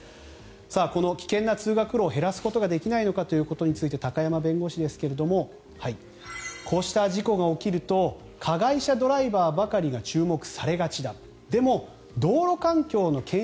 この危険な通学路を減らすことができないのかということについて高山弁護士ですがこうした事故が起きると加害者ドライバーばかりが注目されがちだ